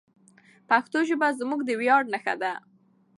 پښتو ژبه زموږ د ویاړ نښه ده.